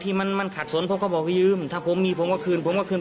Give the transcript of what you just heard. นี่มันเป็นบ้างส่วนอยู่ครับมันก็มีคื่นอยู่